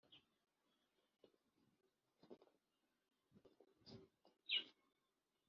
bwose ibikorwa by ubugenzuzi bya Banki